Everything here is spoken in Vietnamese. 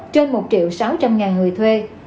trên một sáu trăm linh người thuê